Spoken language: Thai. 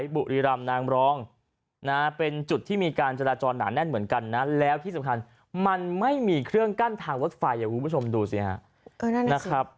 บุรีรำนางรองนะเป็นจุดที่มีการจราจรหนาแน่นเหมือนกันนะแล้วที่สำคัญมันไม่มีเครื่องกั้นทางรถไฟคุณผู้ชมดูสิฮะนะครับ